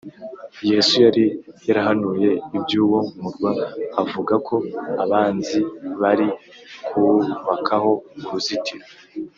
Yesu yari yarahanuye iby uwo murwa avuga ko abanzi bari kuwubakaho uruzitiro